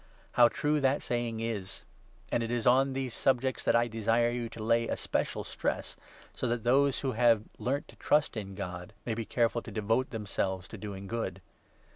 How true 8 that saying is ! And it is on these subjects that I desire you to lay especial stress, so that those who have learnt to trust in God may be careful to devote themselves to doing good.